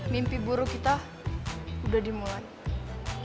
mimpi buruk kita udah dimulai